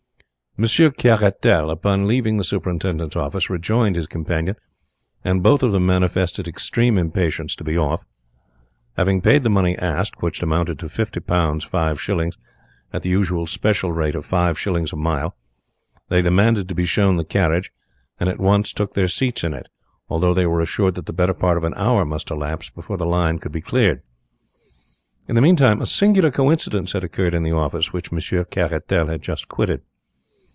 Monsieur Caratal, upon leaving the superintendent's office, rejoined his companion, and both of them manifested extreme impatience to be off. Having paid the money asked, which amounted to fifty pounds five shillings, at the usual special rate of five shillings a mile, they demanded to be shown the carriage, and at once took their seats in it, although they were assured that the better part of an hour must elapse before the line could be cleared. In the meantime a singular coincidence had occurred in the office which Monsieur Caratal had just quitted.